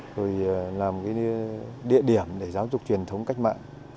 rồi làm cái địa điểm để giáo dục truyền thống cách mạng